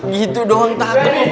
gitu doang takut bu